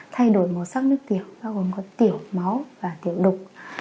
thay đổi màu sắc nước tiểu bao gồm có tiểu máu và tiểu đục